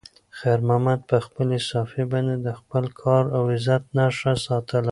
خیر محمد په خپلې صافې باندې د خپل کار او عزت نښه ساتله.